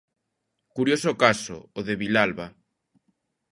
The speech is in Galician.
Curioso caso, o de Vilalba.